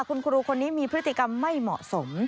คุณครูคนนี้มีพฤติกรรมไม่เหมาะสม